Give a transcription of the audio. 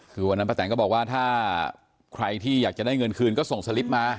คือวันนั้นป้าแตนก็บอกว่าถ้าใครที่อยากจะได้เงินคืนก็ส่งสลิปมา